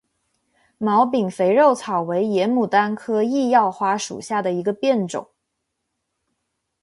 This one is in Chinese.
毛柄肥肉草为野牡丹科异药花属下的一个变种。